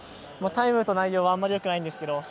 タイムと内容はあんまりよくないんですけれども。